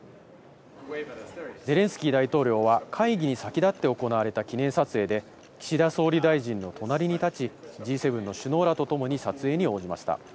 ゼレンスキー大統領は会議に先立って行われた記念撮影で岸田総理大臣の隣に立ち、Ｇ７の首脳らと共に撮影に応じました。